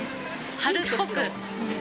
春っぽく。